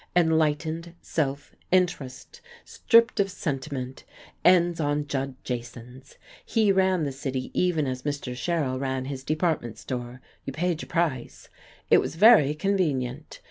Enlightened self interest, stripped of sentiment, ends on Judd Jasons. He ran the city even as Mr. Sherrill ran his department store; you paid your price. It was very convenient.